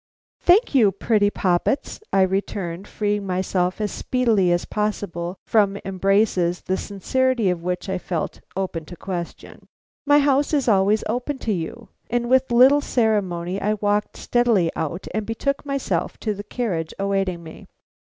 "Thank you, pretty poppets!" I returned, freeing myself as speedily as possible from embraces the sincerity of which I felt open to question. "My house is always open to you." And with little ceremony, I walked steadily out and betook myself to the carriage awaiting me.